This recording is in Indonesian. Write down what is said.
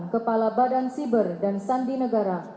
kepala badan siber dan sandi negara